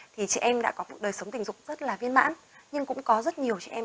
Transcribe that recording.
thì chị em đã có một đời sống tình dục rất là viên mãn nhưng cũng có rất nhiều chị em